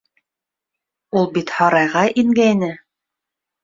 Ул бит һарайға ингәйне.